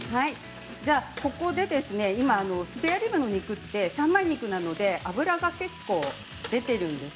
ここでスペアリブの肉って三枚肉なので脂が結構出ているんです。